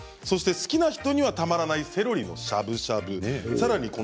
それから好きな人にはたまらないセロリのしゃぶしゃぶさらに